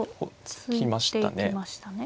突きましたね。